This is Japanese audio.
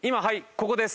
ここです。